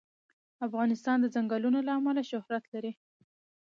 افغانستان د ځنګلونه له امله شهرت لري.